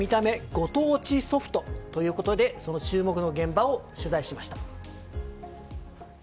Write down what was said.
ご当地ソフトということでその注目の現場を取材しました。